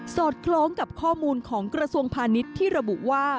อดคล้องกับข้อมูลของกระทรวงพาณิชย์ที่ระบุว่า